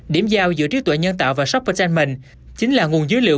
điểm giao giữa trí tuệ nhân tạo và shoppertainment chính là nguồn dữ liệu